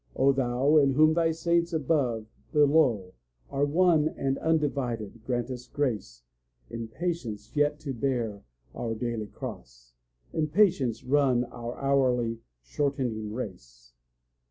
O Thou, in whom thy saints above, below, Are one and undivided, grant us grace In patience yet to bear our daily cross, In patience run our hourly shortening race!